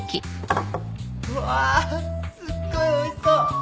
うわすっごいおいしそう。